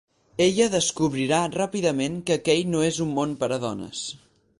Ella descobrirà ràpidament que aquell no és un món per a dones.